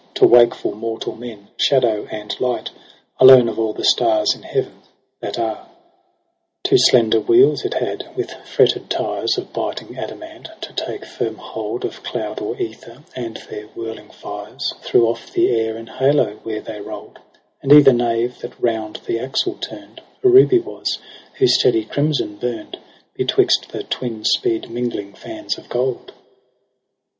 To wakeful mortal men shadow and light Alone of all the stars in heaven that are. NOVEMBER 171 6 Two slender wheels it had, with fretted tires Of biting adamant, to take firm hold Of cloud or ether ; and their whirling fires Threw off the air in halo where they roU'd : And either nave that round the axle turn'd A ruby was, whose steady crimson burn'd Betwixt the twin speed mingling fans of gold.